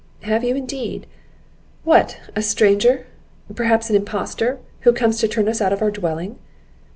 "Have you indeed? What! a stranger, perhaps an impostor, who comes to turn us out of our dwelling?"